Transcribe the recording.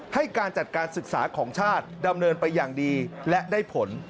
ให้การจัดการศึกษาของชาติดำเนินไปอย่างดีและได้ผล